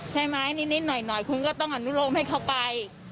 ใช่ไหมนิดหน่อยคุณก็ต้องอนุโลมให้เขาไป